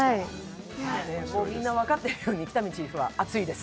みんな分かってるけど喜多見チーフ、熱いです。